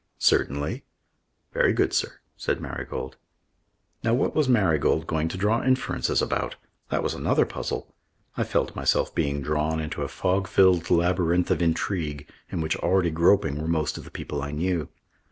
"Certainly." "Very good, sir," said Marigold. Now what was Marigold going to draw inferences about? That was another puzzle. I felt myself being drawn into a fog filled labyrinth of intrigue in which already groping were most of the people I knew.